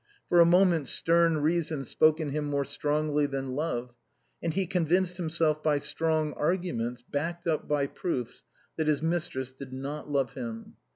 For a moment stern reason spoke in him more strongly than love, and he convinced himself by strong arguments, backed up by proofs, that his mistress did not love him.